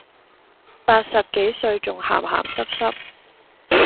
八十幾歲仲咸咸濕濕